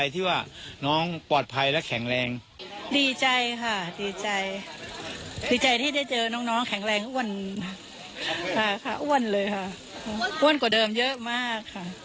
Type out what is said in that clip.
อ่านน้องก็เดิมเยอะมาก